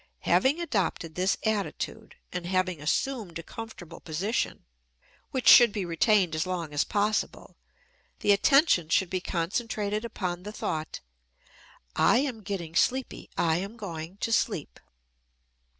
Having adopted this attitude, and having assumed a comfortable position, which should be retained as long as possible, the attention should be concentrated upon the thought, "I am getting sleepy, I am going to sleep."